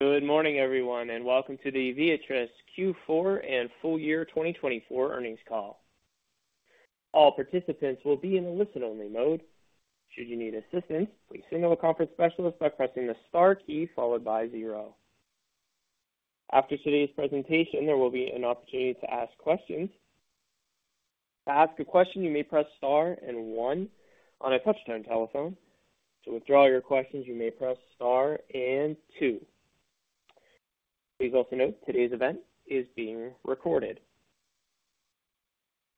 Good morning, everyone, and welcome to the Viatris Q4 and full year 2024 earnings call. All participants will be in a listen-only mode. Should you need assistance, please signal a conference specialist by pressing the star key followed by zero. After today's presentation, there will be an opportunity to ask questions. To ask a question, you may press star and one on a touch-tone telephone. To withdraw your questions, you may press star and two. Please also note today's event is being recorded.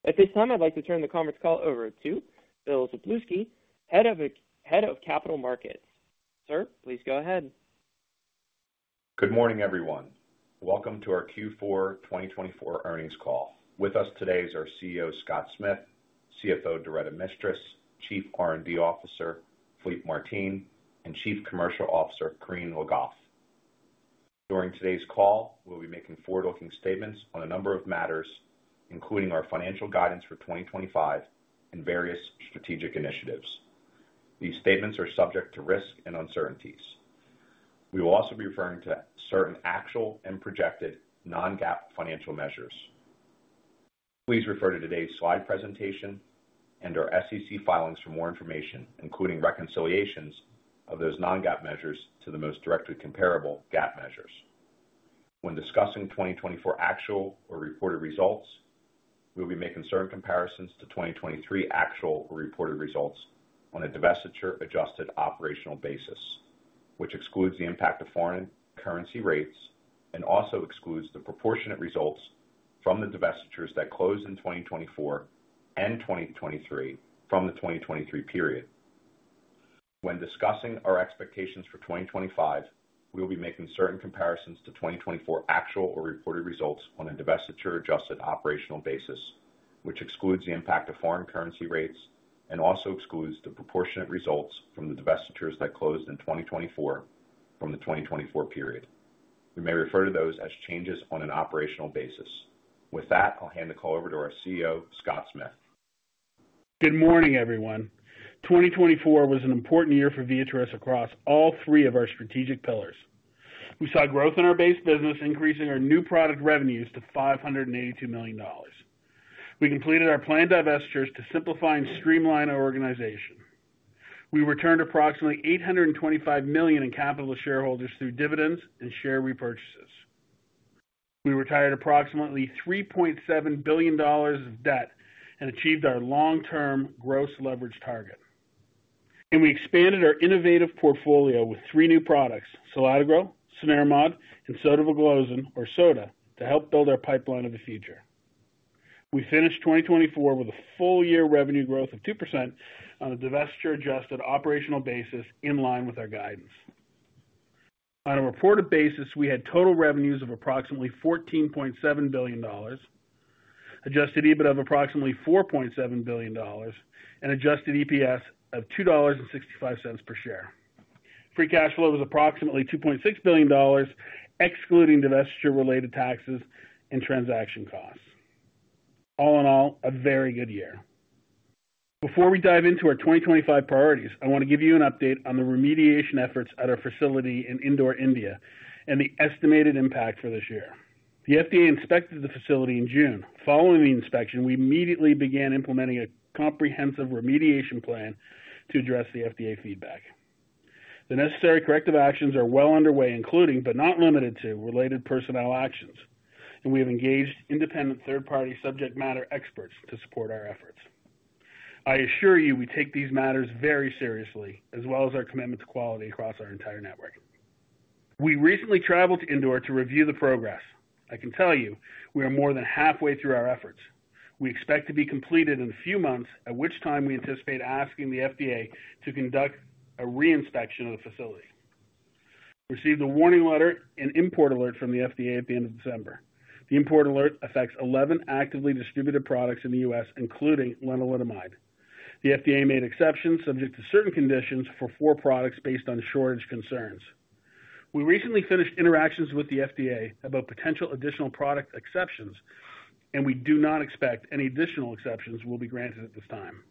At this time, I'd like to turn the conference call over to Bill Szablewski, Head of Capital Markets. Sir, please go ahead. Good morning, everyone. Welcome to our Q4 2024 earnings call. With us today is our CEO, Scott Smith, CFO, Doretta Mistras, Chief R&D Officer, Philippe Martin, and Chief Commercial Officer, Corinne Le Goff. During today's call, we'll be making forward-looking statements on a number of matters, including our financial guidance for 2025 and various strategic initiatives. These statements are subject to risk and uncertainties. We will also be referring to certain actual and projected non-GAAP financial measures. Please refer to today's slide presentation and our SEC filings for more information, including reconciliations of those non-GAAP measures to the most directly comparable GAAP measures. When discussing 2024 actual or reported results, we will be making certain comparisons to 2023 actual or reported results on a divestiture-adjusted operational basis, which excludes the impact of foreign currency rates and also excludes the proportionate results from the divestitures that closed in 2024 and 2023 from the 2023 period. When discussing our expectations for 2025, we will be making certain comparisons to 2024 actual or reported results on a divestiture-adjusted operational basis, which excludes the impact of foreign currency rates and also excludes the proportionate results from the divestitures that closed in 2024 from the 2024 period. We may refer to those as changes on an operational basis. With that, I'll hand the call over to our CEO, Scott Smith. Good morning, everyone. 2024 was an important year for Viatris across all three of our strategic pillars. We saw growth in our base business, increasing our new product revenues to $582 million. We completed our planned divestitures to simplify and streamline our organization. We returned approximately $825 million in capital to shareholders through dividends and share repurchases. We retired approximately $3.7 billion of debt and achieved our long-term gross leverage target. And we expanded our innovative portfolio with three new products: selatogrel, cenerimod, and sotagliflozin, or Sota, to help build our pipeline of the future. We finished 2024 with a full year revenue growth of 2% on a divestiture-adjusted operational basis in line with our guidance. On a reported basis, we had total revenues of approximately $14.7 billion, Adjusted EBITDA of approximately $4.7 billion, and Adjusted EPS of $2.65 per share. Free cash flow was approximately $2.6 billion, excluding divestiture-related taxes and transaction costs. All in all, a very good year. Before we dive into our 2025 priorities, I want to give you an update on the remediation efforts at our facility in Indore, India, and the estimated impact for this year. The FDA inspected the facility in June. Following the inspection, we immediately began implementing a comprehensive remediation plan to address the FDA feedback. The necessary corrective actions are well underway, including, but not limited to, related personnel actions, and we have engaged independent third-party subject matter experts to support our efforts. I assure you we take these matters very seriously, as well as our commitment to quality across our entire network. We recently traveled to Indore to review the progress. I can tell you we are more than halfway through our efforts. We expect to be completed in a few months, at which time we anticipate asking the FDA to conduct a re-inspection of the facility. We received a warning letter and import alert from the FDA at the end of December. The import alert affects 11 actively distributed products in the U.S., including lenalidomide. The FDA made exceptions subject to certain conditions for four products based on shortage concerns. We recently finished interactions with the FDA about potential additional product exceptions, and we do not expect any additional exceptions will be granted at this time.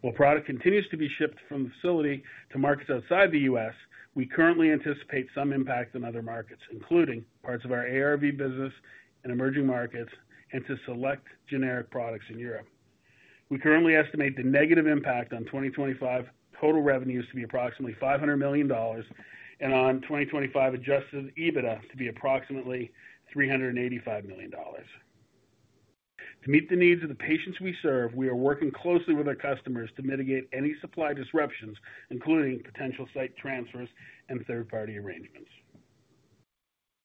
While product continues to be shipped from the facility to markets outside the U.S., we currently anticipate some impact in other markets, including parts of our ARV business and emerging markets, and to select generic products in Europe. We currently estimate the negative impact on 2025 total revenues to be approximately $500 million and on 2025 adjusted EBITDA to be approximately $385 million. To meet the needs of the patients we serve, we are working closely with our customers to mitigate any supply disruptions, including potential site transfers and third-party arrangements.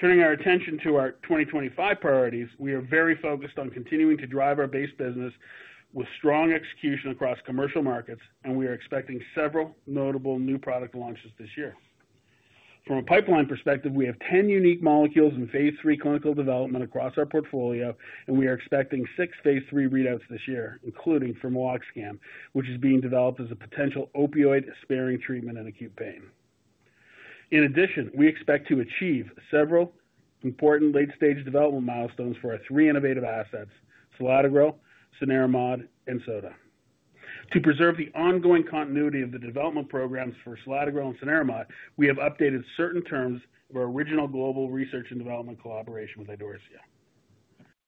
Turning our attention to our 2025 priorities, we are very focused on continuing to drive our base business with strong execution across commercial markets, and we are expecting several notable new product launches this year. From a pipeline perspective, we have 10 unique molecules in phase III clinical development across our portfolio, and we are expecting six phase III readouts this year, including from meloxicam, which is being developed as a potential opioid-sparing treatment in acute pain. In addition, we expect to achieve several important late-stage development milestones for our three innovative assets: selatogrel, cenerimod, and sotagliflozin. To preserve the ongoing continuity of the development programs for selatogrel and cenerimod, we have updated certain terms of our original global research and development collaboration with Idorsia.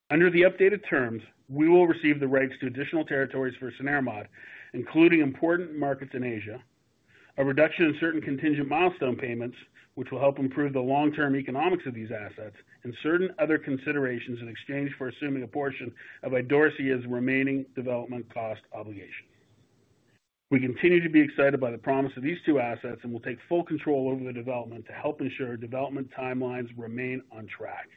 Under the updated terms, we will receive the rights to additional territories for cenerimod, including important markets in Asia, a reduction in certain contingent milestone payments, which will help improve the long-term economics of these assets, and certain other considerations in exchange for assuming a portion of Idorsia's remaining development cost obligations. We continue to be excited by the promise of these two assets and will take full control over the development to help ensure development timelines remain on track.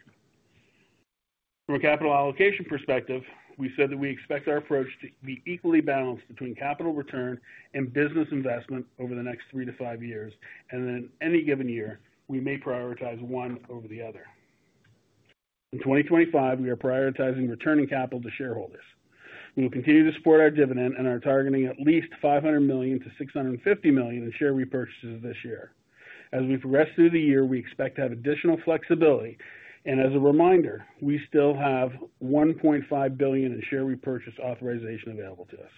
From a capital allocation perspective, we said that we expect our approach to be equally balanced between capital return and business investment over the next three to five years, and then in any given year, we may prioritize one over the other. In 2025, we are prioritizing returning capital to shareholders. We will continue to support our dividend and are targeting at least $500 million-$650 million in share repurchases this year. As we progress through the year, we expect to have additional flexibility. And as a reminder, we still have $1.5 billion in share repurchase authorization available to us.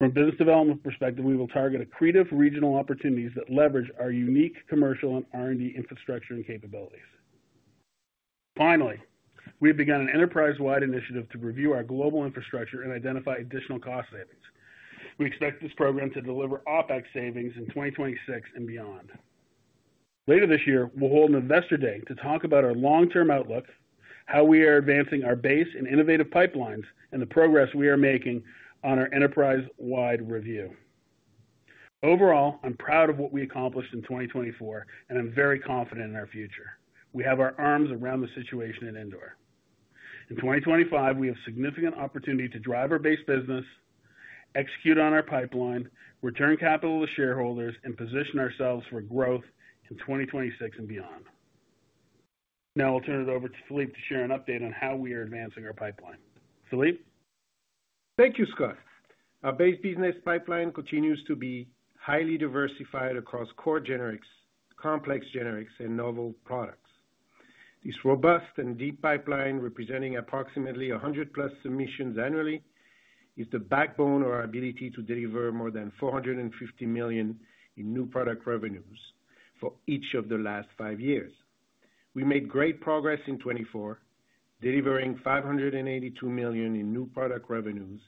From a business development perspective, we will target accretive regional opportunities that leverage our unique commercial and R&D infrastructure and capabilities. Finally, we have begun an enterprise-wide initiative to review our global infrastructure and identify additional cost savings. We expect this program to deliver OpEx savings in 2026 and beyond. Later this year, we'll hold an Investor Day to talk about our long-term outlook, how we are advancing our base and innovative pipelines, and the progress we are making on our enterprise-wide review. Overall, I'm proud of what we accomplished in 2024, and I'm very confident in our future. We have our arms around the situation in Indore. In 2025, we have significant opportunity to drive our base business, execute on our pipeline, return capital to shareholders, and position ourselves for growth in 2026 and beyond. Now I'll turn it over to Philippe to share an update on how we are advancing our pipeline. Philippe? Thank you, Scott. Our base business pipeline continues to be highly diversified across core generics, complex generics, and novel products. This robust and deep pipeline, representing approximately 100+ submissions annually, is the backbone of our ability to deliver more than $450 million in new product revenues for each of the last five years. We made great progress in 2024, delivering $582 million in new product revenues,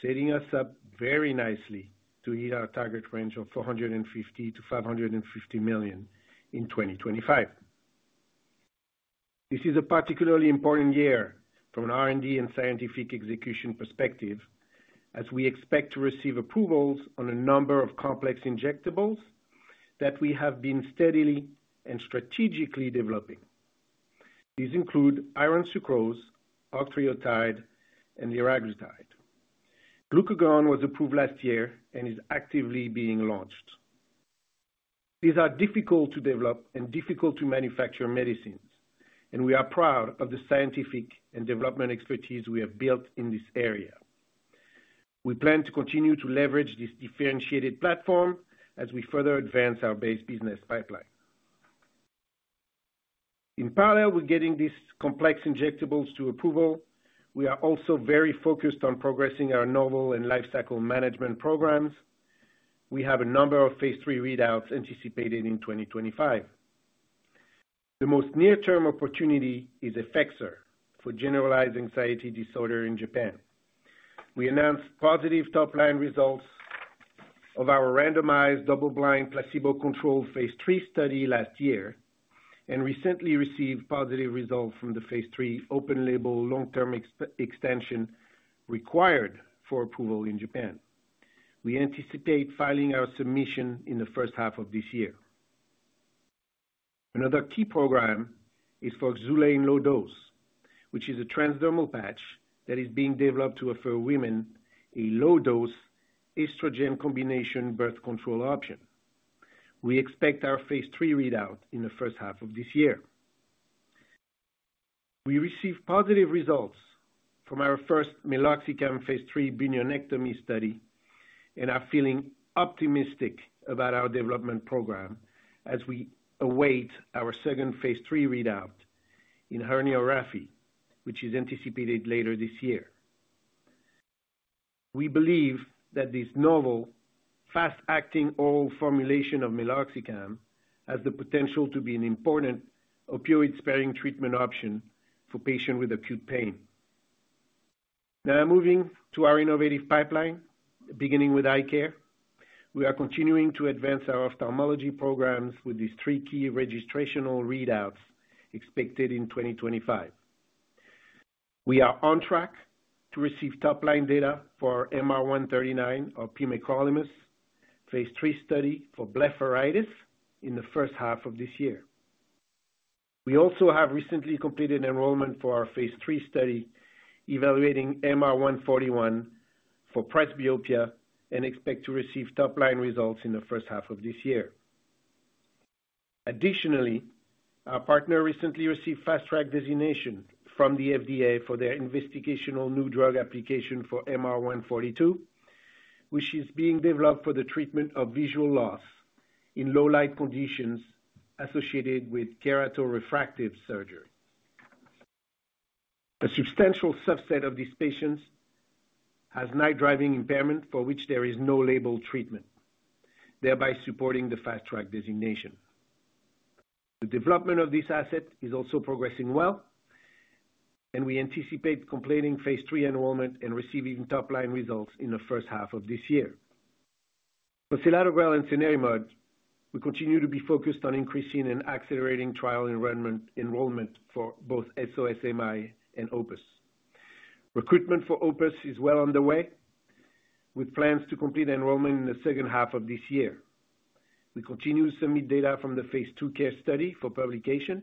setting us up very nicely to hit our target range of $450 million-$550 million in 2025. This is a particularly important year from an R&D and scientific execution perspective, as we expect to receive approvals on a number of complex injectables that we have been steadily and strategically developing. These include iron sucrose, octreotide, and liraglutide. Glucagon was approved last year and is actively being launched. These are difficult-to-develop and difficult-to-manufacture medicines, and we are proud of the scientific and development expertise we have built in this area. We plan to continue to leverage this differentiated platform as we further advance our base business pipeline. In parallel with getting these complex injectables to approval, we are also very focused on progressing our novel and lifecycle management programs. We have a number of phase III readouts anticipated in 2025. The most near-term opportunity is Effexor for generalized anxiety disorder in Japan. We announced positive top-line results of our randomized double-blind placebo-controlled phase III study last year and recently received positive results from the phase III open-label long-term extension required for approval in Japan. We anticipate filing our submission in the first half of this year. Another key program is for Xulane Low Dose, which is a transdermal patch that is being developed to afford women a low-dose estrogen combination birth control option. We expect our phase III readout in the first half of this year. We received positive results from our first meloxicam phase III bunionectomy study and are feeling optimistic about our development program as we await our second phase III readout in herniorrhaphy, which is anticipated later this year. We believe that this novel, fast-acting oral formulation of meloxicam has the potential to be an important opioid-sparing treatment option for patients with acute pain. Now moving to our innovative pipeline, beginning with eye care, we are continuing to advance our ophthalmology programs with these three key registrational readouts expected in 2025. We are on track to receive top-line data for MR139, our pimecrolimus phase III study for blepharitis in the first half of this year. We also have recently completed enrollment for our phase III study evaluating MR141 for presbyopia and expect to receive top-line results in the first half of this year. Additionally, our partner recently received fast-track designation from the FDA for their investigational new drug application for MR142, which is being developed for the treatment of visual loss in low-light conditions associated with keratorefractive surgery. A substantial subset of these patients has night driving impairment for which there is no labeled treatment, thereby supporting the fast-track designation. The development of this asset is also progressing well, and we anticipate completing phase III enrollment and receiving top-line results in the first half of this year. For selatogrel and cenerimod, we continue to be focused on increasing and accelerating trial enrollment for both SOS-AMI and OPUS. Recruitment for OPUS is well underway, with plans to complete enrollment in the second half of this year. We continue to submit data from the phase II case study for publication,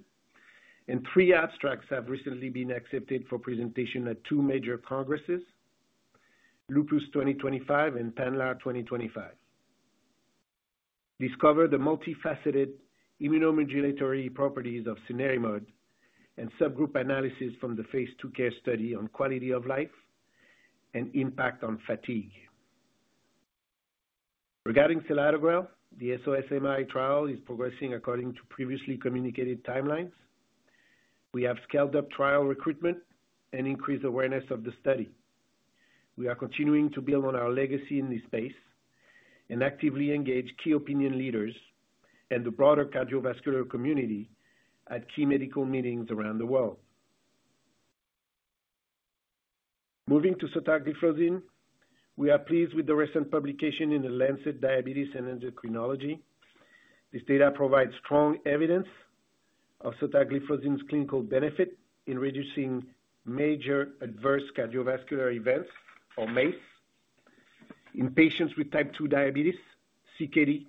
and three abstracts have recently been accepted for presentation at two major congresses, Lupus 2025 and PANLAR 2025. Discover the multifaceted immunomodulatory properties of cenerimod and subgroup analysis from the phase II case study on quality of life and impact on fatigue. Regarding selatogrel, the SOS-AMI trial is progressing according to previously communicated timelines. We have scaled up trial recruitment and increased awareness of the study. We are continuing to build on our legacy in this space and actively engage key opinion leaders and the broader cardiovascular community at key medical meetings around the world. Moving to sotagliflozin, we are pleased with the recent publication in The Lancet Diabetes and Endocrinology. This data provides strong evidence of sotagliflozin's clinical benefit in reducing major adverse cardiovascular events, or MACE, in patients with type 2 diabetes, CKD,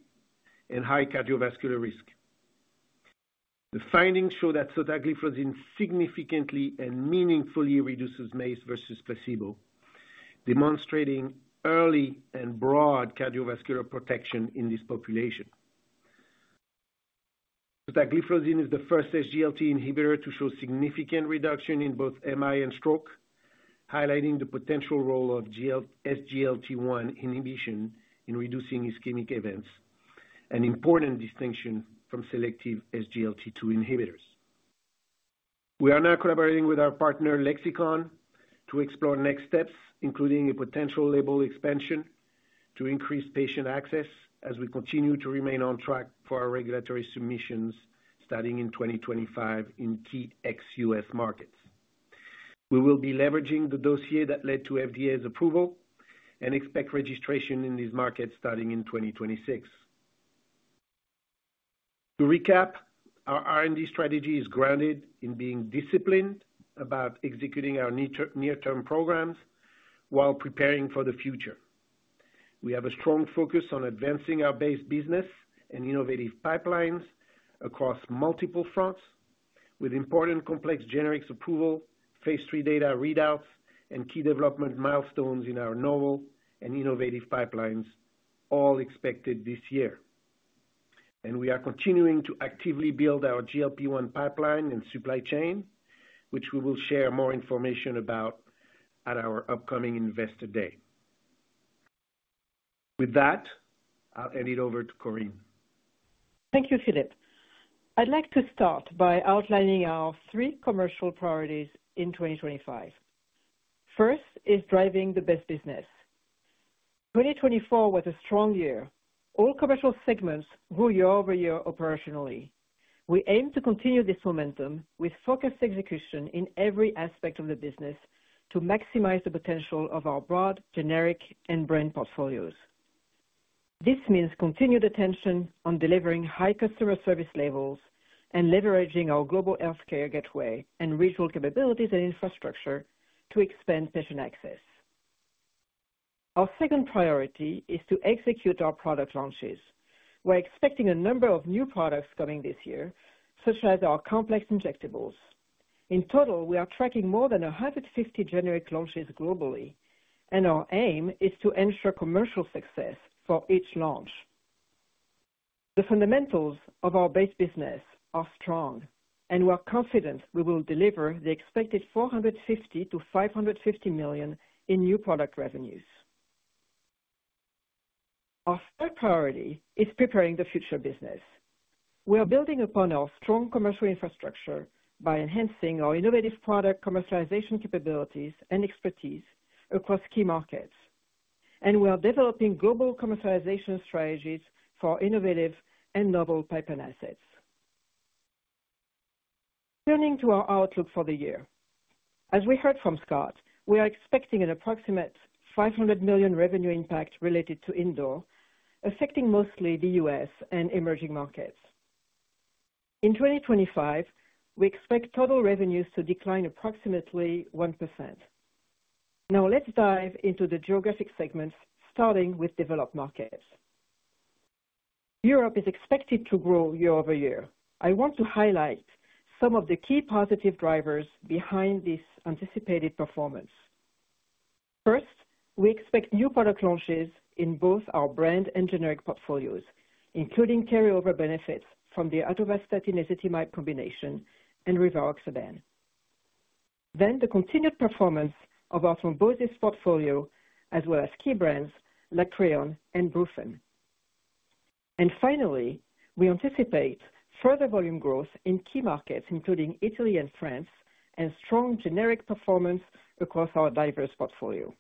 and high cardiovascular risk. The findings show that sotagliflozin significantly and meaningfully reduces MACE versus placebo, demonstrating early and broad cardiovascular protection in this population. Sotagliflozin is the first SGLT2 inhibitor to show significant reduction in both MI and stroke, highlighting the potential role of SGLT1 inhibition in reducing ischemic events, an important distinction from selective SGLT2 inhibitors. We are now collaborating with our partner Lexicon to explore next steps, including a potential label expansion to increase patient access as we continue to remain on track for our regulatory submissions starting in 2025 in key ex-U.S. markets. We will be leveraging the dossier that led to FDA's approval and expect registration in these markets starting in 2026. To recap, our R&D strategy is grounded in being disciplined about executing our near-term programs while preparing for the future. We have a strong focus on advancing our base business and innovative pipelines across multiple fronts, with important complex generics approval, phase III data readouts, and key development milestones in our novel and innovative pipelines, all expected this year. And we are continuing to actively build our GLP-1 pipeline and supply chain, which we will share more information about at our upcoming Investor Day. With that, I'll hand it over to Corinne. Thank you, Philippe. I'd like to start by outlining our three commercial priorities in 2025. First is driving the best business. 2024 was a strong year. All commercial segments grew year-over-year operationally. We aim to continue this momentum with focused execution in every aspect of the business to maximize the potential of our broad generic and brand portfolios. This means continued attention on delivering high customer service labels and leveraging our global healthcare gateway and regional capabilities and infrastructure to expand patient access. Our second priority is to execute our product launches. We're expecting a number of new products coming this year, such as our complex injectables. In total, we are tracking more than 150 generic launches globally, and our aim is to ensure commercial success for each launch. The fundamentals of our base business are strong, and we are confident we will deliver the expected $450 million-$550 million in new product revenues. Our third priority is preparing the future business. We are building upon our strong commercial infrastructure by enhancing our innovative product commercialization capabilities and expertise across key markets, and we are developing global commercialization strategies for innovative and novel pipeline assets. Turning to our outlook for the year, as we heard from Scott, we are expecting an approximate $500 million revenue impact related to Indore, affecting mostly the U.S. and emerging markets. In 2025, we expect total revenues to decline approximately 1%. Now let's dive into the geographic segments, starting with developed markets. Europe is expected to grow year-over-year. I want to highlight some of the key positive drivers behind this anticipated performance. First, we expect new product launches in both our brand and generic portfolios, including carryover benefits from the atorvastatin-ezetimibe combination and rivaroxaban, then the continued performance of our thrombosis portfolio, as well as key brands like Creon and Brufen, and finally, we anticipate further volume growth in key markets, including Italy and France, and strong generic performance across our diverse portfolio.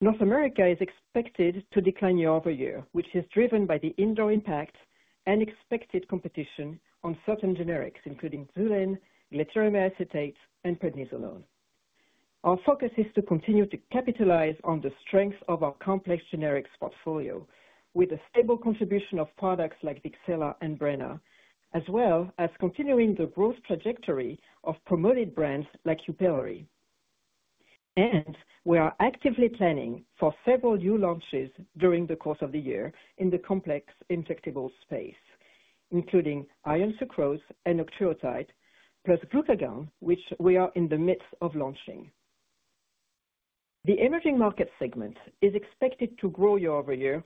North America is expected to decline year-over-year, which is driven by the Indore impact and expected competition on certain generics, including Xulane, glatiramer acetate, and prednisolone. Our focus is to continue to capitalize on the strength of our complex generics portfolio, with a stable contribution of products like Wixela and Breyna, as well as continuing the growth trajectory of promoted brands like Yupelri. We are actively planning for several new launches during the course of the year in the complex injectable space, including iron sucrose and octreotide, plus glucagon, which we are in the midst of launching. The emerging market segment is expected to grow year-over-year,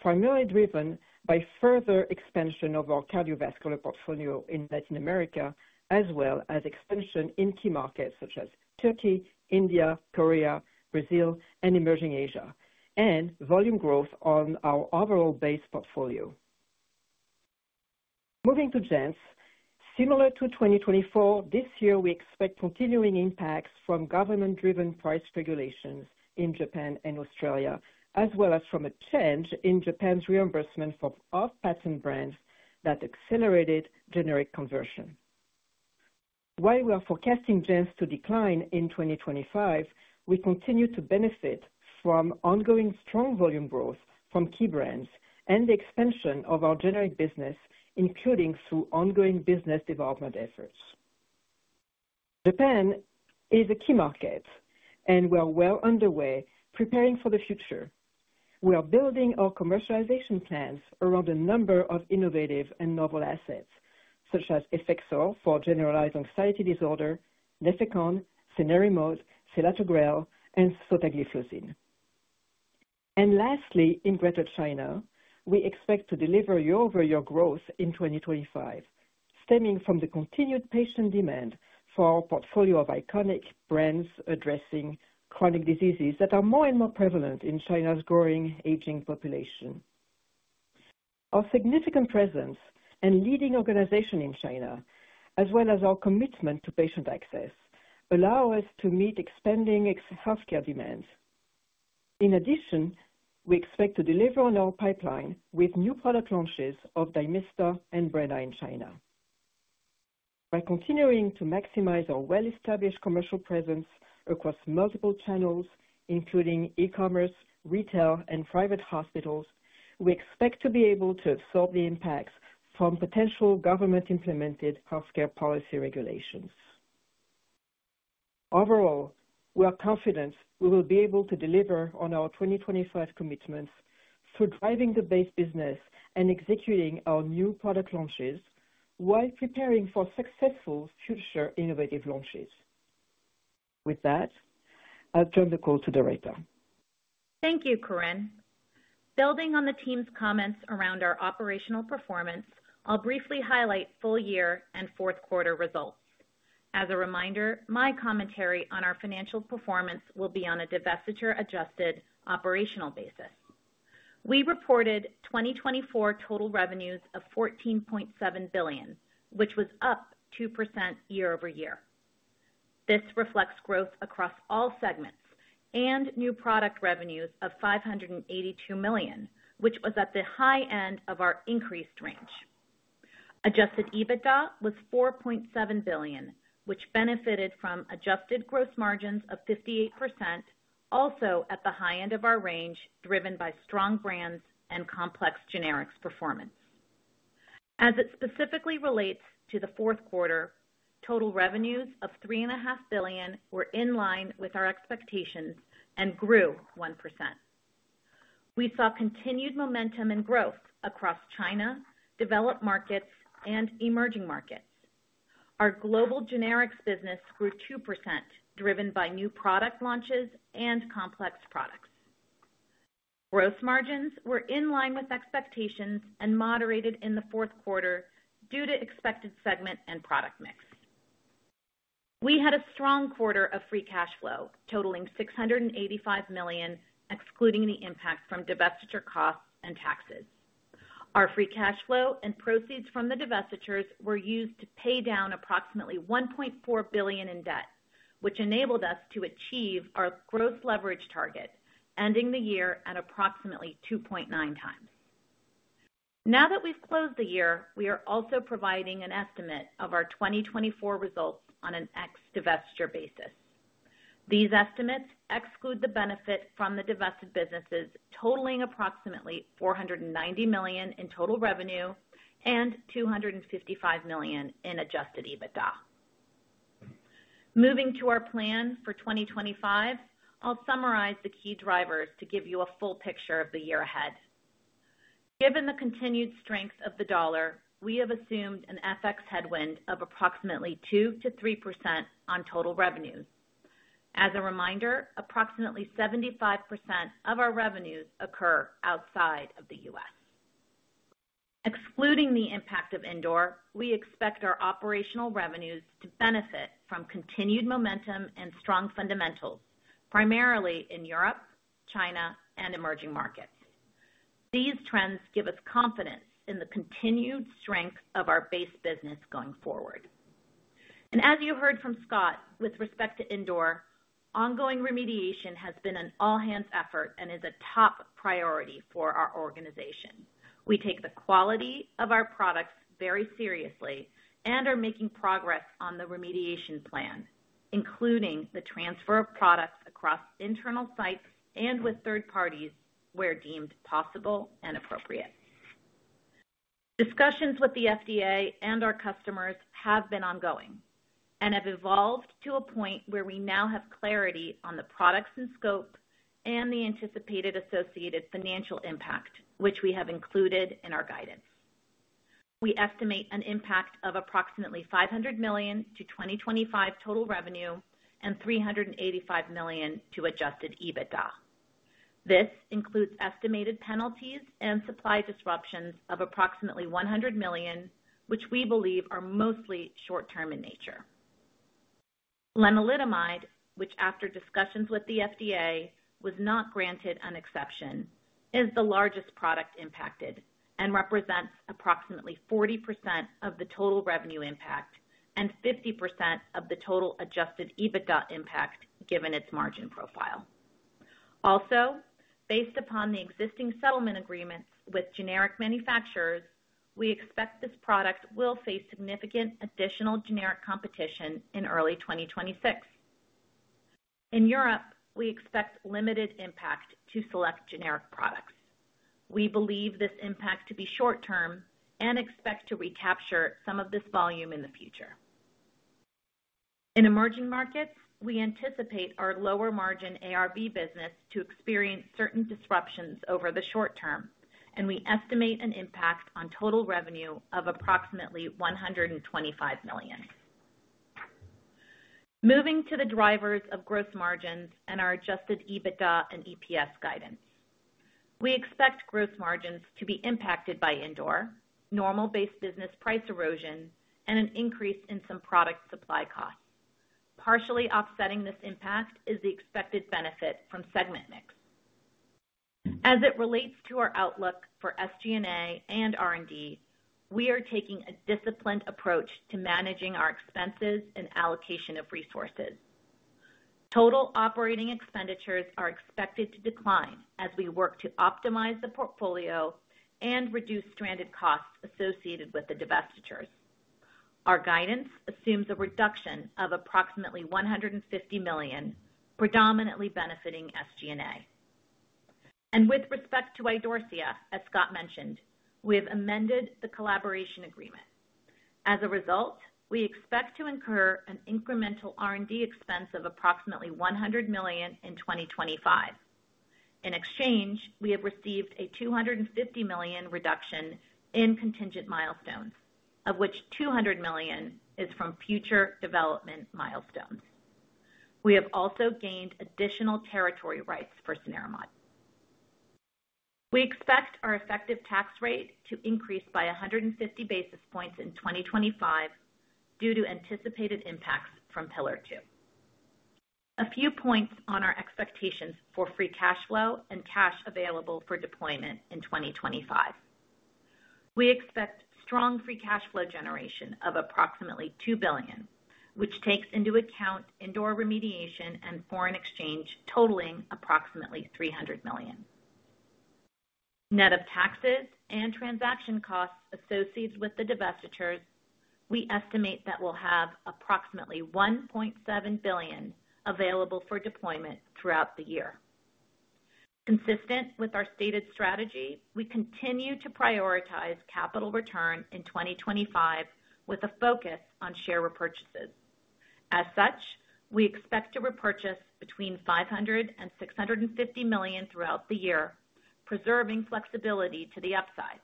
primarily driven by further expansion of our cardiovascular portfolio in Latin America, as well as expansion in key markets such as Turkey, India, Korea, Brazil, and emerging Asia, and volume growth on our overall base portfolio. Moving to JANZ, similar to 2024, this year we expect continuing impacts from government-driven price regulations in Japan and Australia, as well as from a change in Japan's reimbursement for off-patent brands that accelerated generic conversion. While we are forecasting JANZ to decline in 2025, we continue to benefit from ongoing strong volume growth from key brands and the expansion of our generic business, including through ongoing business development efforts. Japan is a key market, and we are well underway preparing for the future. We are building our commercialization plans around a number of innovative and novel assets, such as Effexor for generalized anxiety disorder, Defencath, cenerimod, selatogrel, and sotagliflozin, and lastly, in Greater China, we expect to deliver year-over-year growth in 2025, stemming from the continued patient demand for our portfolio of iconic brands addressing chronic diseases that are more and more prevalent in China's growing aging population. Our significant presence and leading organization in China, as well as our commitment to patient access, allow us to meet expanding healthcare demands. In addition, we expect to deliver on our pipeline with new product launches of Dymista and Breyna in China. By continuing to maximize our well-established commercial presence across multiple channels, including e-commerce, retail, and private hospitals, we expect to be able to absorb the impacts from potential government-implemented healthcare policy regulations. Overall, we are confident we will be able to deliver on our 2025 commitments through driving the base business and executing our new product launches while preparing for successful future innovative launches. With that, I'll turn the call to Doretta. Thank you, Corinne. Building on the team's comments around our operational performance, I'll briefly highlight full year and fourth quarter results. As a reminder, my commentary on our financial performance will be on a divestiture-adjusted operational basis. We reported 2024 total revenues of $14.7 billion, which was up 2% year-over-year. This reflects growth across all segments and new product revenues of $582 million, which was at the high end of our increased range. Adjusted EBITDA was $4.7 billion, which benefited from adjusted gross margins of 58%, also at the high end of our range, driven by strong brands and complex generics performance. As it specifically relates to the fourth quarter, total revenues of $3.5 billion were in line with our expectations and grew 1%. We saw continued momentum and growth across China, developed markets, and emerging markets. Our global generics business grew 2%, driven by new product launches and complex products. Gross margins were in line with expectations and moderated in the fourth quarter due to expected segment and product mix. We had a strong quarter of Free Cash Flow, totaling $685 million, excluding the impact from divestiture costs and taxes. Our Free Cash Flow and proceeds from the divestitures were used to pay down approximately $1.4 billion in debt, which enabled us to achieve our gross leverage target, ending the year at approximately 2.9x. Now that we've closed the year, we are also providing an estimate of our 2024 results on an ex-divestiture basis. These estimates exclude the benefit from the divested businesses, totaling approximately $490 million in total revenue and $255 million in Adjusted EBITDA. Moving to our plan for 2025, I'll summarize the key drivers to give you a full picture of the year ahead. Given the continued strength of the dollar, we have assumed an FX headwind of approximately 2%-3% on total revenues. As a reminder, approximately 75% of our revenues occur outside of the U.S. Excluding the impact of Indore, we expect our operational revenues to benefit from continued momentum and strong fundamentals, primarily in Europe, China, and emerging markets. These trends give us confidence in the continued strength of our base business going forward. As you heard from Scott with respect to Indore, ongoing remediation has been an all-hands effort and is a top priority for our organization. We take the quality of our products very seriously and are making progress on the remediation plan, including the transfer of products across internal sites and with third parties where deemed possible and appropriate. Discussions with the FDA and our customers have been ongoing and have evolved to a point where we now have clarity on the products and scope and the anticipated associated financial impact, which we have included in our guidance. We estimate an impact of approximately $500 million to 2025 total revenue and $385 million to Adjusted EBITDA. This includes estimated penalties and supply disruptions of approximately $100 million, which we believe are mostly short-term in nature. Lenalidomide, which after discussions with the FDA was not granted an exception, is the largest product impacted and represents approximately 40% of the total revenue impact and 50% of the total Adjusted EBITDA impact given its margin profile. Also, based upon the existing settlement agreements with generic manufacturers, we expect this product will face significant additional generic competition in early 2026. In Europe, we expect limited impact to select generic products. We believe this impact to be short-term and expect to recapture some of this volume in the future. In emerging markets, we anticipate our lower margin ARV business to experience certain disruptions over the short term, and we estimate an impact on total revenue of approximately $125 million. Moving to the drivers of gross margins and our adjusted EBITDA and EPS guidance. We expect gross margins to be impacted by Indore, normal base business price erosion, and an increase in some product supply costs. Partially offsetting this impact is the expected benefit from segment mix. As it relates to our outlook for SG&A and R&D, we are taking a disciplined approach to managing our expenses and allocation of resources. Total operating expenditures are expected to decline as we work to optimize the portfolio and reduce stranded costs associated with the divestitures. Our guidance assumes a reduction of approximately $150 million, predominantly benefiting SG&A, and with respect to Idorsia, as Scott mentioned, we have amended the collaboration agreement. As a result, we expect to incur an incremental R&D expense of approximately $100 million in 2025. In exchange, we have received a $250 million reduction in contingent milestones, of which $200 million is from future development milestones. We have also gained additional territory rights for cenerimod. We expect our effective tax rate to increase by 150 basis points in 2025 due to anticipated impacts from Pillar 2. A few points on our expectations for free cash flow and cash available for deployment in 2025. We expect strong free cash flow generation of approximately $2 billion, which takes into account Indore remediation and foreign exchange totaling approximately $300 million. Net of taxes and transaction costs associated with the divestitures, we estimate that we'll have approximately $1.7 billion available for deployment throughout the year. Consistent with our stated strategy, we continue to prioritize capital return in 2025 with a focus on share repurchases. As such, we expect to repurchase between $500 million-$650 million throughout the year, preserving flexibility to the upside.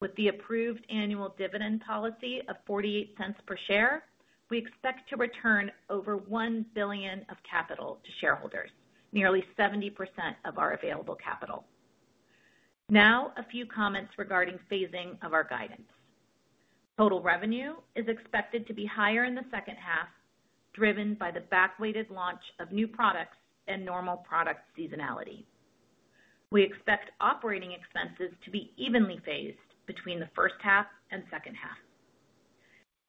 With the approved annual dividend policy of $0.48 per share, we expect to return over $1 billion of capital to shareholders, nearly 70% of our available capital. Now, a few comments regarding phasing of our guidance. Total revenue is expected to be higher in the second half, driven by the back-weighted launch of new products and normal product seasonality. We expect operating expenses to be evenly phased between the first half and second half.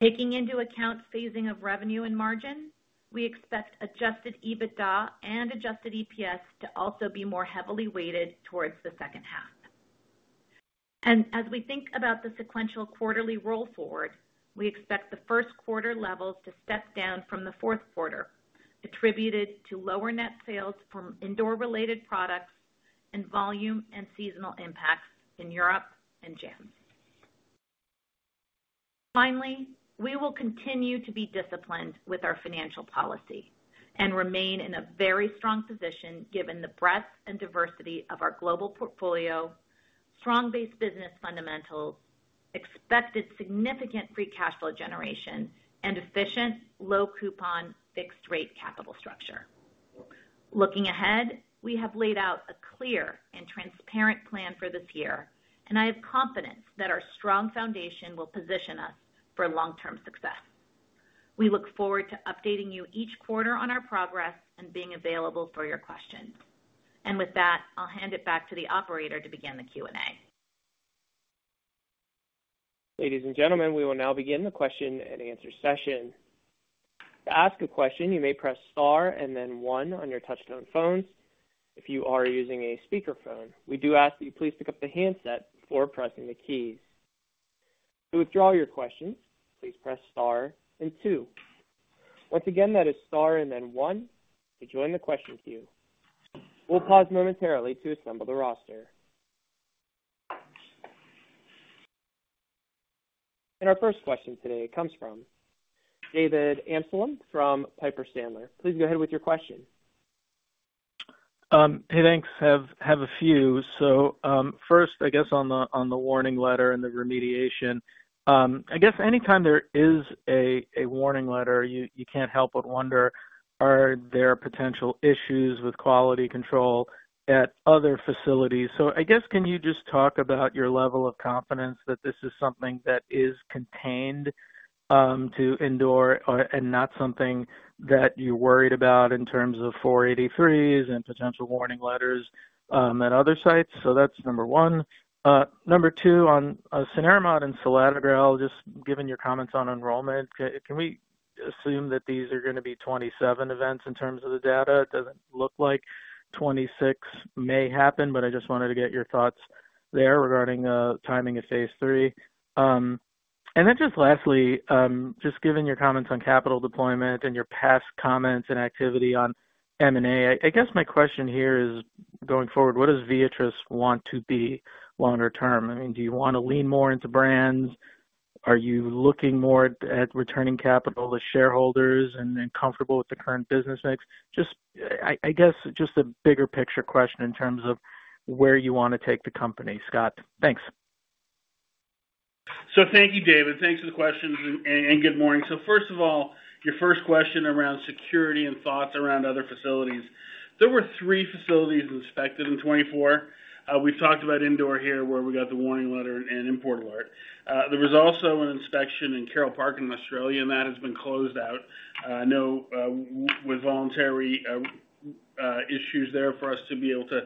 Taking into account phasing of revenue and margin, we expect Adjusted EBITDA and Adjusted EPS to also be more heavily weighted towards the second half. And as we think about the sequential quarterly roll forward, we expect the first quarter levels to step down from the fourth quarter, attributed to lower net sales from Indore-related products and volume and seasonal impacts in Europe and JANZ. Finally, we will continue to be disciplined with our financial policy and remain in a very strong position given the breadth and diversity of our global portfolio, strong base business fundamentals, expected significant Free Cash Flow generation, and efficient low-coupon fixed-rate capital structure. Looking ahead, we have laid out a clear and transparent plan for this year, and I have confidence that our strong foundation will position us for long-term success. We look forward to updating you each quarter on our progress and being available for your questions, and with that, I'll hand it back to the operator to begin the Q&A. Ladies and gentlemen, we will now begin the question and answer session. To ask a question, you may press star and then one on your touch-tone phones if you are using a speakerphone. We do ask that you please pick up the handset before pressing the keys. To withdraw your questions, please press star and two. Once again, that is star and then one to join the question queue. We'll pause momentarily to assemble the roster, and our first question today comes from David Amsellem from Piper Sandler. Please go ahead with your question. Hey, thanks. I have a few. So first, I guess on the warning letter and the remediation, I guess anytime there is a warning letter, you can't help but wonder, are there potential issues with quality control at other facilities? So I guess, can you just talk about your level of confidence that this is something that is contained to Indore and not something that you're worried about in terms of 483s and potential warning letters at other sites? So that's number one. Number two, on cenerimod and selatogrel, just given your comments on enrollment, can we assume that these are going to be 27 events in terms of the data? It doesn't look like 26 may happen, but I just wanted to get your thoughts there regarding timing of phase III. And then just lastly, just given your comments on capital deployment and your past comments and activity on M&A, I guess my question here is going forward, what does Viatris want to be longer term? I mean, do you want to lean more into brands? Are you looking more at returning capital to shareholders and comfortable with the current business mix? I guess just a bigger picture question in terms of where you want to take the company. Scott, thanks. Thank you, David. Thanks for the questions and good morning. First of all, your first question around security and thoughts around other facilities. There were three facilities inspected in 2024. We've talked about Indore here where we got the warning letter and import alert. There was also an inspection in Carroll Park in Australia, and that has been closed out. No voluntary issues there for us to be able to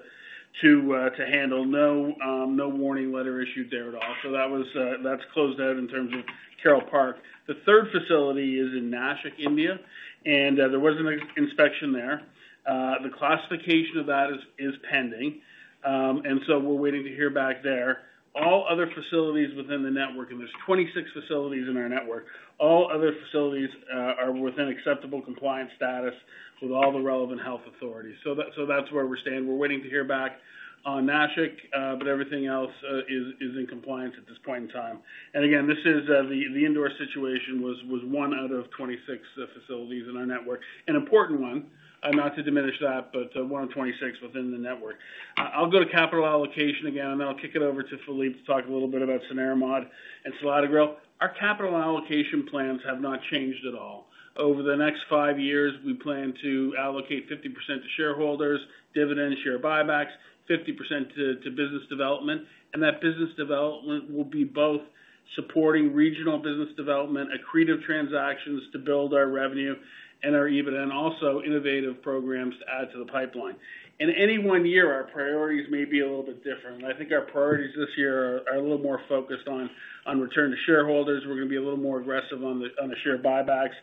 handle. No warning letter issued there at all. That's closed out in terms of Carroll Park. The third facility is in Nashik, India, and there was an inspection there. The classification of that is pending, and so we're waiting to hear back there. All other facilities within the network, and there's 26 facilities in our network, all other facilities are within acceptable compliance status with all the relevant health authorities. That's where we're staying. We're waiting to hear back on Nashik, but everything else is in compliance at this point in time. And again, the Indore situation was one out of 26 facilities in our network. An important one, not to diminish that, but one of 26 within the network. I'll go to capital allocation again, and then I'll kick it over to Philippe to talk a little bit about cenerimod and selatogrel. Our capital allocation plans have not changed at all. Over the next five years, we plan to allocate 50% to shareholders, dividends, share buybacks, 50% to business development, and that business development will be both supporting regional business development, accretive transactions to build our revenue and our EBITDA, and also innovative programs to add to the pipeline. In any one year, our priorities may be a little bit different. I think our priorities this year are a little more focused on return to shareholders. We're going to be a little more aggressive on the share buybacks.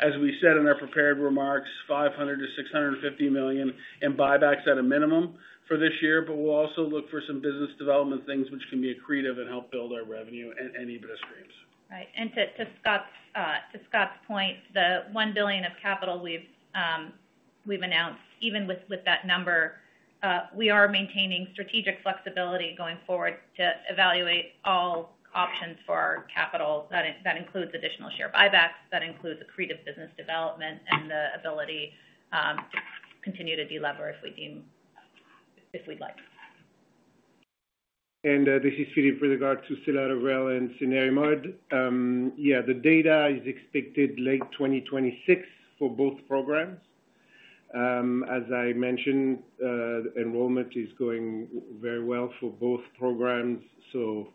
As we said in our prepared remarks, $500 million-$650 million in buybacks at a minimum for this year, but we'll also look for some business development things which can be accretive and help build our revenue and EBITDA streams. Right. And to Scott's point, the $1 billion of capital we've announced, even with that number, we are maintaining strategic flexibility going forward to evaluate all options for our capital that includes additional share buybacks, that includes accretive business development, and the ability to continue to delever if we'd like. This is Philippe with regard to selatogrel and cenerimod. Yeah, the data is expected late 2026 for both programs. As I mentioned, enrollment is going very well for both programs, so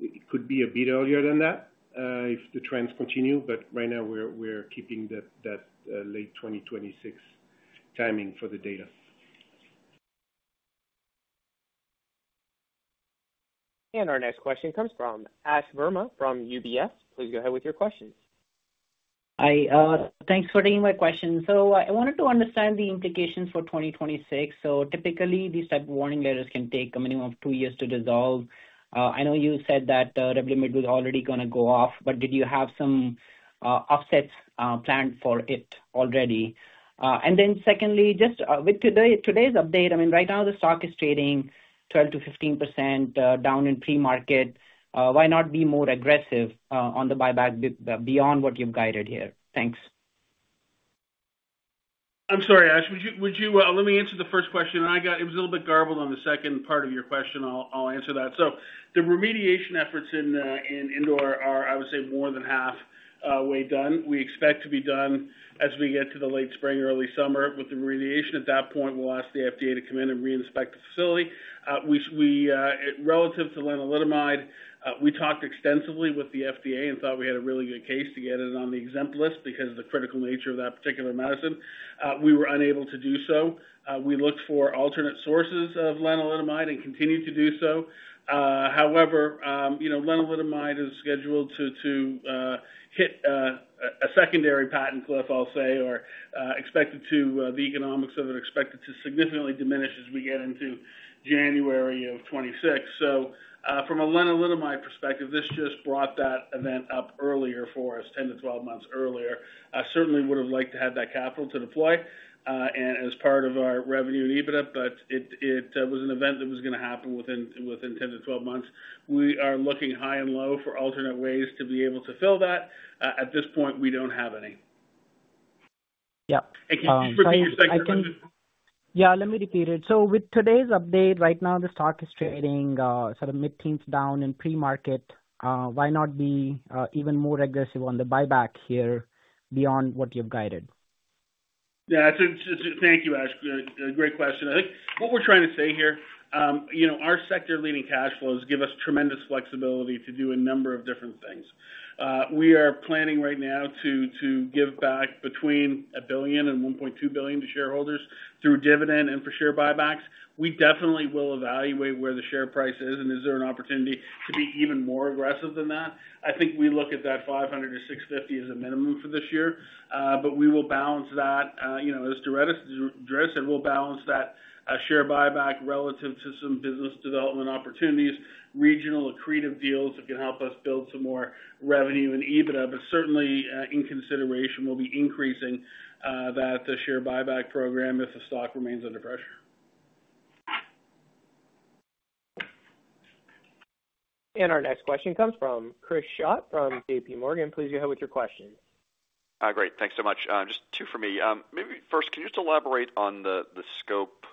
it could be a bit earlier than that if the trends continue, but right now we're keeping that late 2026 timing for the data. Our next question comes from Ashwani Verma from UBS. Please go ahead with your questions. Hi. Thanks for taking my question. So I wanted to understand the implications for 2026. So typically, these type of warning letters can take a minimum of two years to resolve. I know you said that revenue mix was already going to go off, but did you have some offsets planned for it already? And then secondly, just with today's update, I mean, right now the stock is trading 12%-15% down in pre-market. Why not be more aggressive on the buyback beyond what you've guided here? Thanks. I'm sorry, Ash. Let me answer the first question. It was a little bit garbled on the second part of your question. I'll answer that. So the remediation efforts in Indore are, I would say, more than halfway done. We expect to be done as we get to the late spring, early summer with the remediation. At that point, we'll ask the FDA to come in and reinspect the facility. Relative to lenalidomide, we talked extensively with the FDA and thought we had a really good case to get it on the exempt list because of the critical nature of that particular medicine. We were unable to do so. We looked for alternate sources of lenalidomide and continue to do so. However, lenalidomide is scheduled to hit a secondary patent cliff, I'll say, or expected to the economics of it expected to significantly diminish as we get into January of 2026. So from a lenalidomide perspective, this just brought that event up earlier for us, 10 to 12 months earlier. I certainly would have liked to have that capital to deploy as part of our revenue and EBITDA, but it was an event that was going to happen within 10 to 12 months. We are looking high and low for alternate ways to be able to fill that. At this point, we don't have any. Yeah. Can you repeat your second question? Yeah, let me repeat it. So with today's update, right now the stock is trading sort of mid-teens down in pre-market. Why not be even more aggressive on the buyback here beyond what you've guided? Yeah. Thank you, Ash. Great question. I think what we're trying to say here, our sector-leading cash flows give us tremendous flexibility to do a number of different things. We are planning right now to give back between $1 billion and $1.2 billion to shareholders through dividend and for share buybacks. We definitely will evaluate where the share price is and is there an opportunity to be even more aggressive than that. I think we look at that $500 million-$650 million as a minimum for this year, but we will balance that as Doretta said, we'll balance that share buyback relative to some business development opportunities, regional accretive deals that can help us build some more revenue and EBITDA, but certainly in consideration we'll be increasing that share buyback program if the stock remains under pressure. Our next question comes from Chris Schott from JPMorgan. Please go ahead with your question. Great. Thanks so much. Just two for me. Maybe first, can you just elaborate on the scope,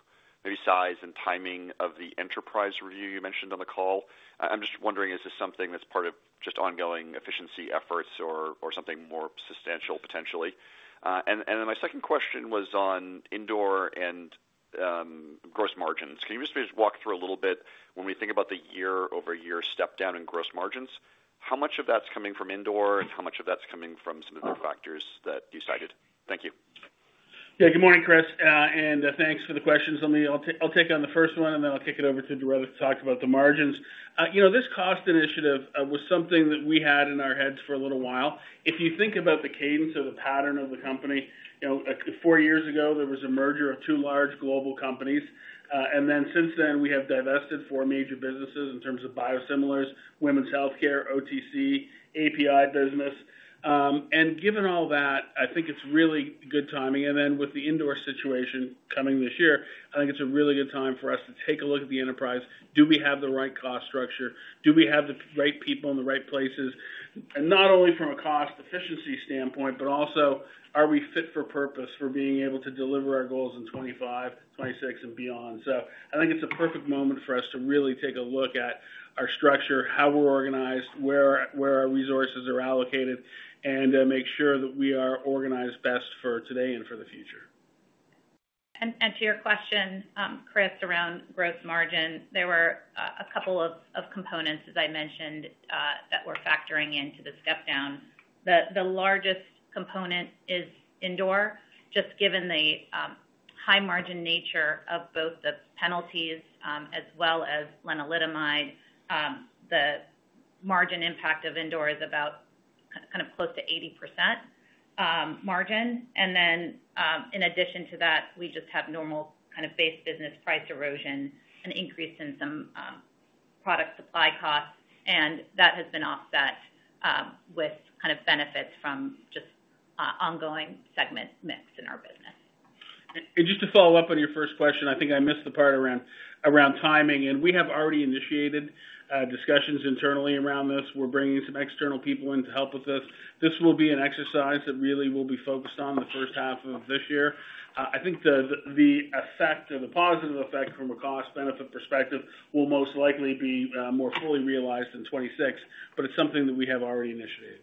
maybe size and timing of the enterprise review you mentioned on the call? I'm just wondering, is this something that's part of just ongoing efficiency efforts or something more substantial potentially? And then my second question was on Indore and gross margins. Can you just walk through a little bit when we think about the year-over-year step-down in gross margins? How much of that's coming from Indore and how much of that's coming from some of the other factors that you cited? Thank you. Yeah. Good morning, Chris, and thanks for the questions. I'll take on the first one, and then I'll kick it over to Doretta to talk about the margins. This cost initiative was something that we had in our heads for a little while. If you think about the cadence of the pattern of the company, four years ago, there was a merger of two large global companies. And then, since then, we have divested four major businesses in terms of biosimilars, women's healthcare, OTC, API business. And given all that, I think it's really good timing. And then with the Indore situation coming this year, I think it's a really good time for us to take a look at the enterprise. Do we have the right cost structure? Do we have the right people in the right places? And not only from a cost efficiency standpoint, but also, are we fit for purpose for being able to deliver our goals in 2025, 2026, and beyond? So I think it's a perfect moment for us to really take a look at our structure, how we're organized, where our resources are allocated, and make sure that we are organized best for today and for the future. And to your question, Chris, around gross margin, there were a couple of components, as I mentioned, that were factoring into the step-down. The largest component is Indore, just given the high-margin nature of both the products as well as lenalidomide. The margin impact of Indore is about kind of close to 80% margin. And then in addition to that, we just have normal kind of base business price erosion, an increase in some product supply costs, and that has been offset with kind of benefits from just ongoing segment mix in our business. Just to follow up on your first question, I think I missed the part around timing. We have already initiated discussions internally around this. We're bringing some external people in to help with this. This will be an exercise that really will be focused on the first half of this year. I think the effect or the positive effect from a cost-benefit perspective will most likely be more fully realized in 2026, but it's something that we have already initiated.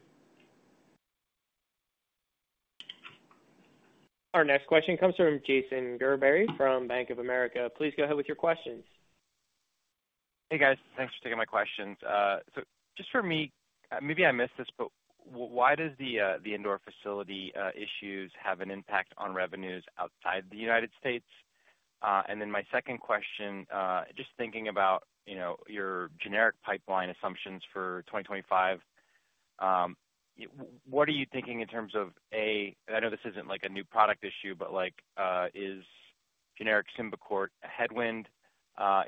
Our next question comes from Jason Gerbery from Bank of America. Please go ahead with your questions. Hey, guys. Thanks for taking my questions. So just for me, maybe I missed this, but why does the Indore facility issues have an impact on revenues outside the United States? And then my second question, just thinking about your generic pipeline assumptions for 2025, what are you thinking in terms of, A, I know this isn't like a new product issue, but is generic Symbicort a headwind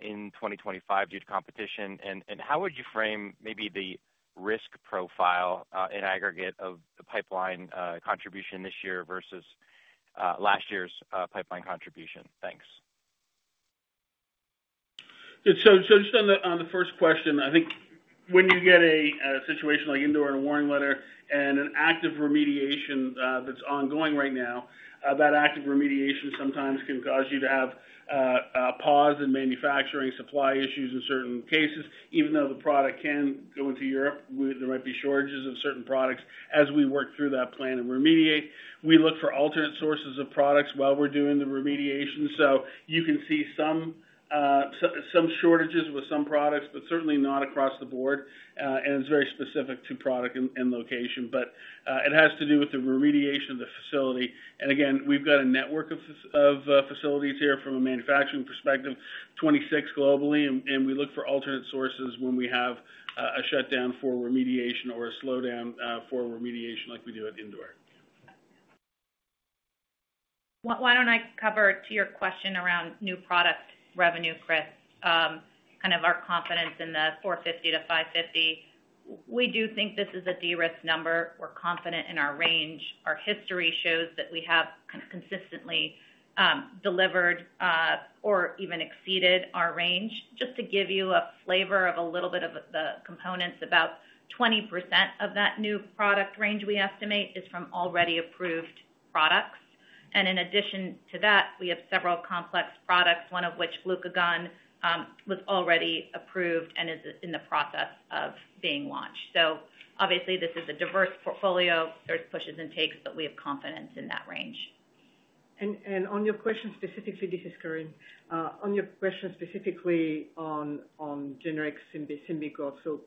in 2025 due to competition? And how would you frame maybe the risk profile in aggregate of the pipeline contribution this year versus last year's pipeline contribution? Thanks. So just on the first question, I think when you get a situation like Indore and a Warning Letter and an active remediation that's ongoing right now, that active remediation sometimes can cause you to have pauses in manufacturing, supply issues in certain cases, even though the product can go into Europe. There might be shortages of certain products as we work through that plan and remediate. We look for alternate sources of products while we're doing the remediation. So you can see some shortages with some products, but certainly not across the board. And it's very specific to product and location, but it has to do with the remediation of the facility. And again, we've got a network of facilities here from a manufacturing perspective, 26 globally, and we look for alternate sources when we have a shutdown for remediation or a slowdown for remediation like we do at Indore. Why don't I turn to your question around new product revenue, Chris, kind of our confidence in the 450-550? We do think this is a DRIS number. We're confident in our range. Our history shows that we have consistently delivered or even exceeded our range. Just to give you a flavor of a little bit of the components, about 20% of that new product range we estimate is from already approved products. And in addition to that, we have several complex products, one of which glucagon was already approved and is in the process of being launched. So obviously, this is a diverse portfolio. There's pushes and pulls, but we have confidence in that range. On your question specifically, this is Corinne. On your question specifically on generic Symbicort, so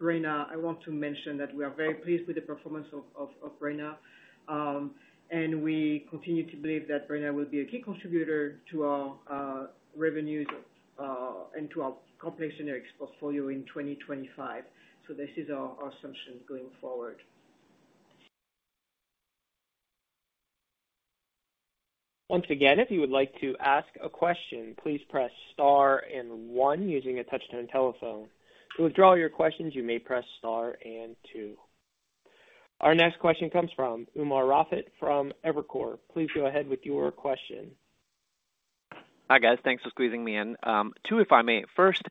Breyna, I want to mention that we are very pleased with the performance of Breyna. We continue to believe that Breyna will be a key contributor to our revenues and to our complex generics portfolio in 2025. This is our assumption going forward. Once again, if you would like to ask a question, please press star and one using a touch-tone telephone. To withdraw your questions, you may press star and two. Our next question comes from Umer Raffat from Evercore ISI. Please go ahead with your question. Hi guys. Thanks for squeezing me in. Two, if I may. First,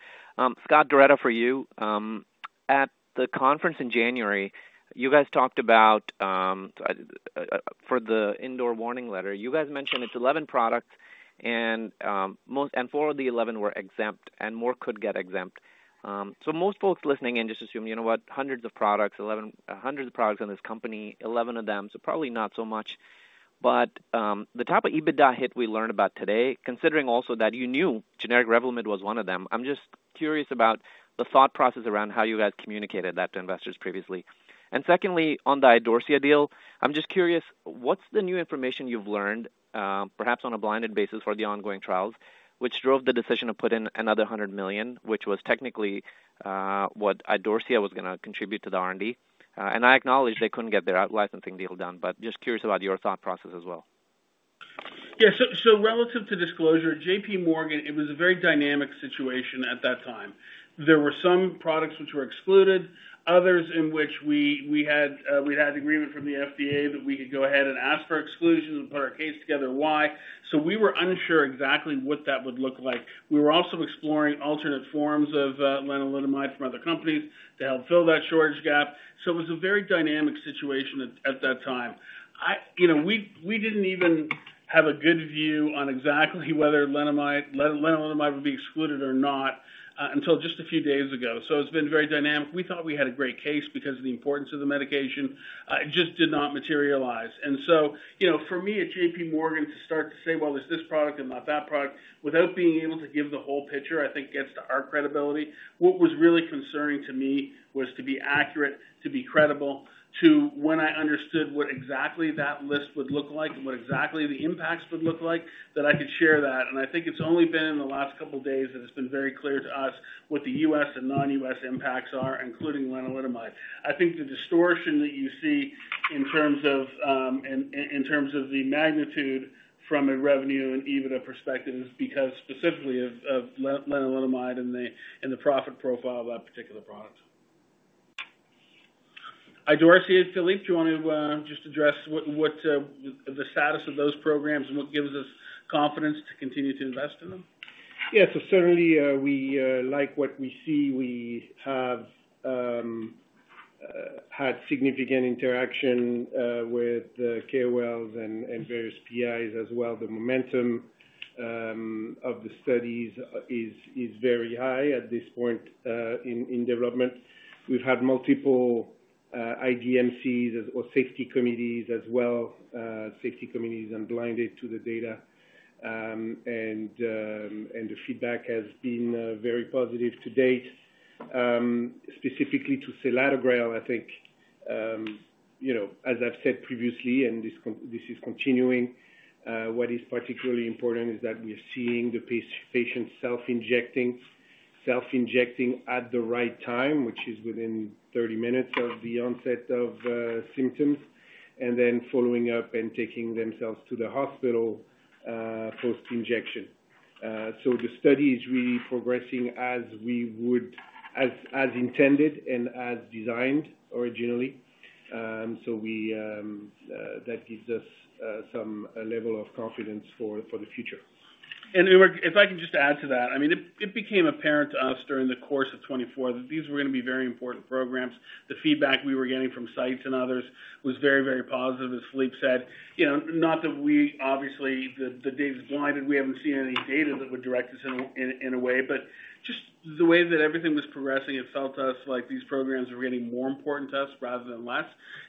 Scott, Doretta, for you. At the conference in January, you guys talked about for the Indore warning letter, you guys mentioned it's 11 products and four of the 11 were exempt and more could get exempt. So most folks listening in just assume, you know what, hundreds of products, hundreds of products in this company, 11 of them, so probably not so much. But the type of EBITDA hit we learned about today, considering also that you knew generic Revlimid was one of them, I'm just curious about the thought process around how you guys communicated that to investors previously. Secondly, on the Idorsia deal, I'm just curious, what's the new information you've learned, perhaps on a blinded basis for the ongoing trials, which drove the decision to put in another $100 million, which was technically what Idorsia was going to contribute to the R&D? I acknowledge they couldn't get their licensing deal done, but just curious about your thought process as well. Yeah. So relative to disclosure, JPMorgan, it was a very dynamic situation at that time. There were some products which were excluded, others in which we had agreement from the FDA that we could go ahead and ask for exclusions and put our case together why. So we were unsure exactly what that would look like. We were also exploring alternate forms of lenalidomide from other companies to help fill that shortage gap. So it was a very dynamic situation at that time. We didn't even have a good view on exactly whether lenalidomide would be excluded or not until just a few days ago. So it's been very dynamic. We thought we had a great case because of the importance of the medication. It just did not materialize. And so for me at JPMorgan to start to say, "Well, there's this product and not that product," without being able to give the whole picture, I think gets to our credibility. What was really concerning to me was to be accurate, to be credible, to when I understood what exactly that list would look like and what exactly the impacts would look like, that I could share that. And I think it's only been in the last couple of days that it's been very clear to us what the U.S. and non-U.S. impacts are, including lenalidomide. I think the distortion that you see in terms of the magnitude from a revenue and EBITDA perspective is because specifically of lenalidomide and the profit profile of that particular product. Idorsia and Philippe, do you want to just address the status of those programs and what gives us confidence to continue to invest in them? Yeah. So certainly, we like what we see. We have had significant interaction with KOLs and various PIs as well. The momentum of the studies is very high at this point in development. We've had multiple IDMCs or safety committees as well, safety committees and blinded to the data. And the feedback has been very positive to date. Specifically to selatogrel, I think, as I've said previously, and this is continuing, what is particularly important is that we're seeing the patient self-injecting at the right time, which is within 30 minutes of the onset of symptoms, and then following up and taking themselves to the hospital post-injection. So the study is really progressing as intended and as designed originally. So that gives us some level of confidence for the future. And if I can just add to that, I mean, it became apparent to us during the course of 2024 that these were going to be very important programs. The feedback we were getting from sites and others was very, very positive, as Philippe said. Not that, obviously, the data is blinded. We haven't seen any data that would direct us in a way, but just the way that everything was progressing, it felt to us like these programs were getting more important to us rather than less.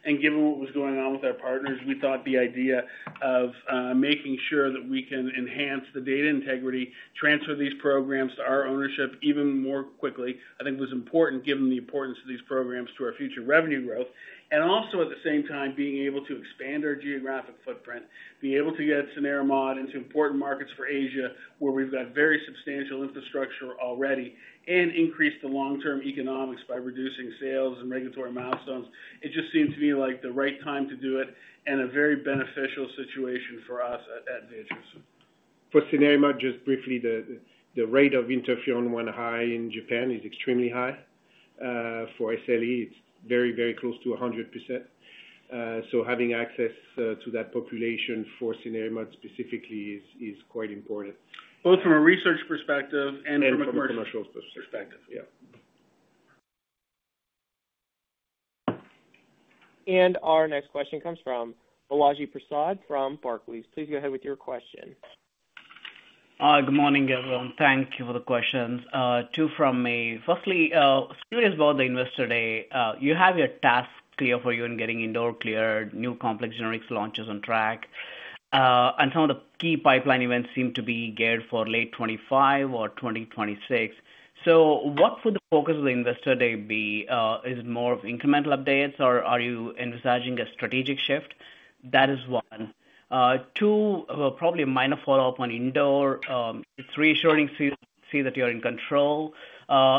And given what was going on with our partners, we thought the idea of making sure that we can enhance the data integrity, transfer these programs to our ownership even more quickly, I think was important given the importance of these programs to our future revenue growth. Also at the same time, being able to expand our geographic footprint, being able to get to cenerimod and to important markets in Asia where we've got very substantial infrastructure already, and increase the long-term economics by reducing sales and regulatory milestones. It just seemed to me like the right time to do it and a very beneficial situation for us at Viatris. For cenerimod, just briefly, the rate of interferon-1 high in Japan is extremely high. For SLE, it's very, very close to 100%. So having access to that population for cenerimod specifically is quite important. Both from a research perspective and from a commercial perspective. From a commercial perspective, yeah. Our next question comes from Balaji Prasad from Barclays. Please go ahead with your question. Good morning, everyone. Thank you for the questions. Two from me. Firstly, curious about the Investor Day. You have your tasks clear for you in getting Indore clear, new complex generics launches on track, and some of the key pipeline events seem to be geared for late 2025 or 2026. So what would the focus of the Investor Day be? Is it more of incremental updates, or are you envisaging a strategic shift? That is one. Two, probably a minor follow-up on Indore. It's reassuring to see that you're in control.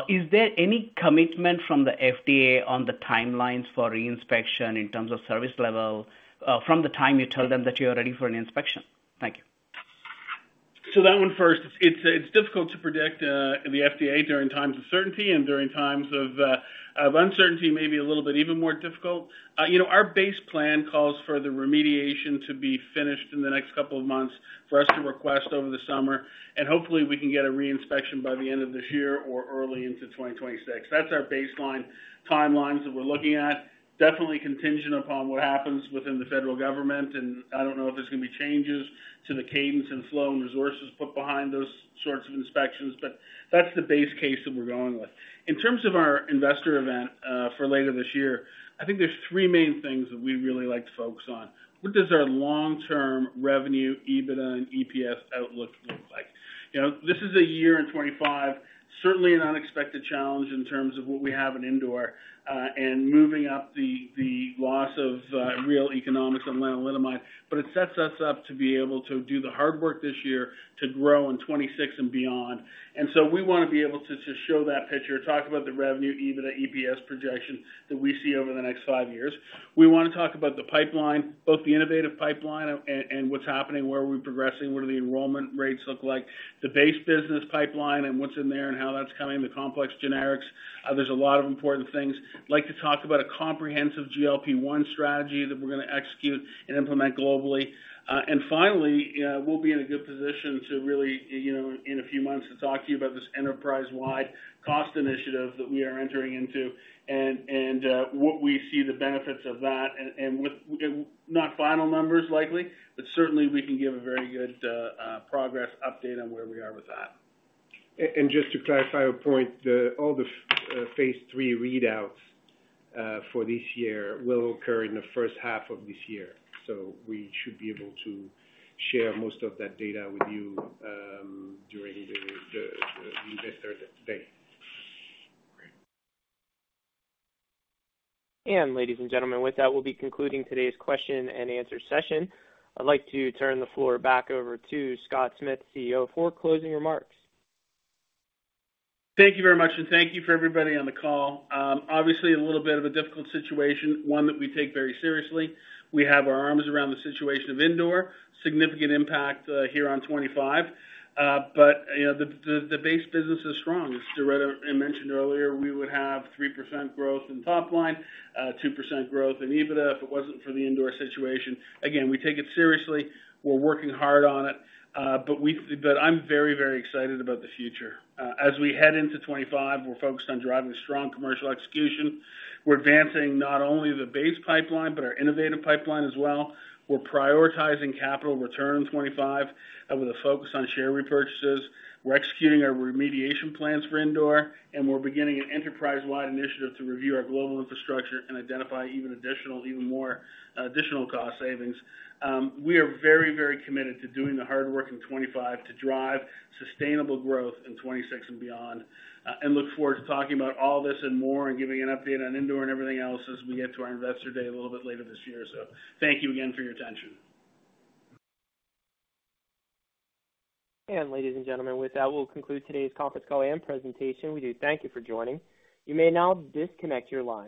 Is there any commitment from the FDA on the timelines for reinspection in terms of service level from the time you tell them that you're ready for an inspection? Thank you. So that one first. It's difficult to predict the FDA during times of certainty and during times of uncertainty, maybe a little bit even more difficult. Our base plan calls for the remediation to be finished in the next couple of months for us to request over the summer. And hopefully, we can get a reinspection by the end of this year or early into 2026. That's our baseline timelines that we're looking at. Definitely contingent upon what happens within the federal government. And I don't know if there's going to be changes to the cadence and flow and resources put behind those sorts of inspections, but that's the base case that we're going with. In terms of our investor event for later this year, I think there's three main things that we'd really like to focus on. What does our long-term revenue, EBITDA, and EPS outlook look like? This is a year in 2025, certainly an unexpected challenge in terms of what we have in Indore and moving up the loss of real economics on lenalidomide. But it sets us up to be able to do the hard work this year to grow in 2026 and beyond. And so we want to be able to just show that picture, talk about the revenue, EBITDA, EPS projection that we see over the next five years. We want to talk about the pipeline, both the innovative pipeline and what's happening, where are we progressing, what do the enrollment rates look like, the base business pipeline and what's in there and how that's coming, the complex generics. There's a lot of important things. I'd like to talk about a comprehensive GLP-1 strategy that we're going to execute and implement globally. Finally, we'll be in a good position to really, in a few months, to talk to you about this enterprise-wide cost initiative that we are entering into and what we see the benefits of that. Not final numbers likely, but certainly we can give a very good progress update on where we are with that. Just to clarify a point, all the phase III readouts for this year will occur in the first half of this year. We should be able to share most of that data with you during the Investor Day. And ladies and gentlemen, with that, we'll be concluding today's question and answer session. I'd like to turn the floor back over to Scott Smith, CEO, for closing remarks. Thank you very much, and thank you for everybody on the call. Obviously, a little bit of a difficult situation, one that we take very seriously. We have our arms around the situation of Indore, significant impact here on 2025, but the base business is strong. As Doretta mentioned earlier, we would have 3% growth in top line, 2% growth in EBITDA if it wasn't for the Indore situation. Again, we take it seriously. We're working hard on it, but I'm very, very excited about the future. As we head into 2025, we're focused on driving strong commercial execution. We're advancing not only the base pipeline, but our innovative pipeline as well. We're prioritizing capital return in 2025 with a focus on share repurchases. We're executing our remediation plans for Indore, and we're beginning an enterprise-wide initiative to review our global infrastructure and identify even more additional cost savings. We are very, very committed to doing the hard work in 2025 to drive sustainable growth in 2026 and beyond, and look forward to talking about all this and more and giving an update on Indore and everything else as we get to our Investor Day a little bit later this year, so thank you again for your attention. And ladies and gentlemen, with that, we'll conclude today's conference call and presentation. We do thank you for joining. You may now disconnect your lines.